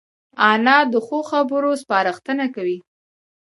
انا د ښو خبرو سپارښتنه کوي